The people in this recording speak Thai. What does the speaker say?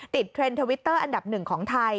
ติดเทรนด์ทวิตเตอร์อันดับ๑ของไทย